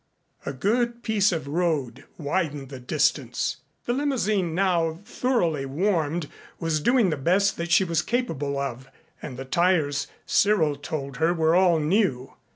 A good piece of road widened the distance. The limousine, now thoroughly warmed, was doing the best that she was capable of and the tires Cyril told her were all new.